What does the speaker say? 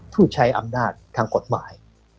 ผู้ใช้อำนาจทางกฎหมาย